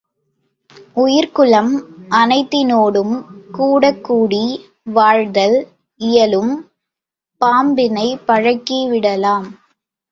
உயிர்க்குலம் அனைத்தினோடும் கூடக் கூடி வாழ்தல் இயலும், பாம்பினைப் பழக்கிவிடலாம்.